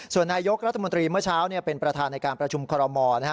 ส่วนนายกรัฐมนตรีเมื่อเช้าเป็นประธานในการประชุมคอรมอลนะฮะ